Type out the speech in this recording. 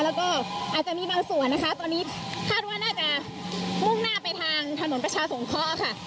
แล้วก็อาจจะมีบางส่วนนะคะตอนนี้คาดว่าน่าจะมุ่งหน้าไปทางถนนประชาสงเคราะห์ค่ะ